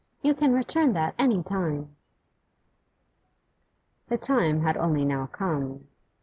'You can return that any time.' The time had only now come.